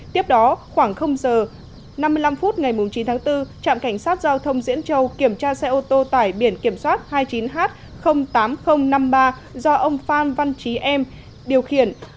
tiếp đó khoảng giờ năm mươi năm phút ngày chín tháng bốn trạm cảnh sát giao thông diễn châu kiểm tra xe ô tô tải biển kiểm soát hai mươi chín h tám nghìn năm mươi ba do ông phan văn trí em điều khiển